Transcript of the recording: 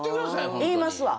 言いますわ。